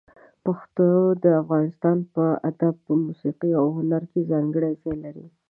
پښتو د افغانستان په ادب، موسيقي او هنر کې ځانګړی ځای لري.